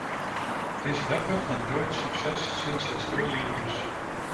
This weapon enjoyed success since its early use.